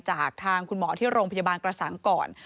จากทางคุณหมอที่โรงพยาบาลกระสังก่อน